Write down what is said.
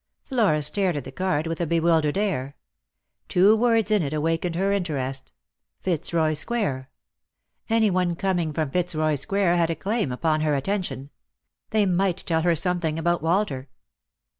'' Flora stared at the card with a bewildered air. Two words in it awakened her interest— Fitzroy square. Any one coming from Fitzroy square had a claim upon her attention. They might tell her something about Walter.